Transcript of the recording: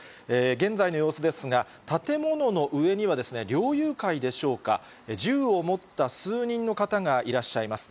現在の様子ですが、建物の上には、猟友会でしょうか、銃を持った数人の方がいらっしゃいます。